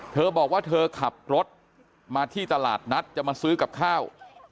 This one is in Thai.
เธอบอกว่าเธอขับรถมาที่ตลาดนัดจะมาซื้อกับข้าว